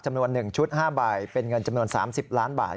จำนวน๑ชุด๕ใบเป็นเงินจำนวน๓๐ล้านบาท